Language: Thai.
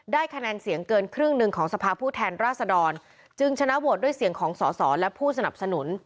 คะแนนเสียงเกินครึ่งหนึ่งของสภาพผู้แทนราษดรจึงชนะโหวตด้วยเสียงของสอสอและผู้สนับสนุน